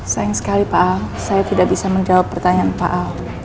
sayang sekali pak a saya tidak bisa menjawab pertanyaan pak a